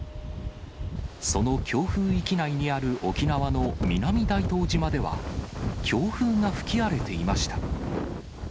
その強風域内にある沖縄の南大東島では、強風が吹き荒れていました。